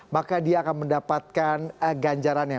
maka dia akan mendapatkan ganjarannya